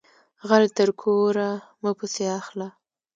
غل تر کوره مه پسی اخله